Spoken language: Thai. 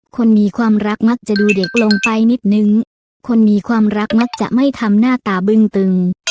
คนมีความรักมักจะดูเด็กลงไปนิดนึงคนมีความรักมักจะไม่ทำหน้าตาบึ้งตึง